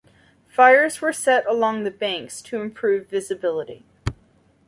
Fires were set along the banks to improve visibility.